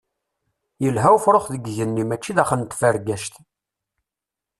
Yelha ufrux deg yigenni mačči daxel n tfergact.